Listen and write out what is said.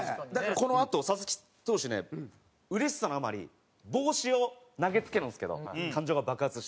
このあと佐々木投手ねうれしさのあまり帽子を投げ付けるんですけど感情が爆発して。